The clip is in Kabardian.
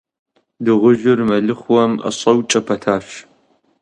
Дыгъужьыр мэлыхъуэм ӀэщӀэукӀэ пэтащ.